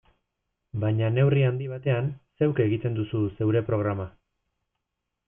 Baina neurri handi batean, zeuk egiten duzu zeure programa.